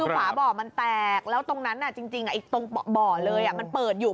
คือฝาบ่อมันแตกแล้วตรงนั้นจริงตรงบ่อเลยมันเปิดอยู่